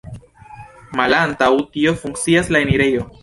Malantaŭ tio funkcias la enirejo.